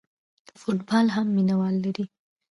فوټبال هم مینه وال لري.